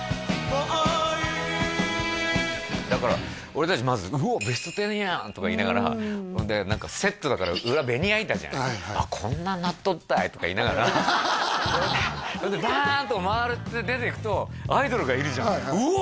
俺達まず「うおベストテンやん」とか言いながらそれでセットだから裏ベニヤ板じゃない「あっこんなんなっとったい」とか言いながらそれでバーンと回って出ていくとアイドルがいるじゃん「うお！」